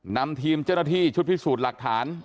นำทีมเจ้าหน้าที่ชุดพิสูจน์หลักฐาน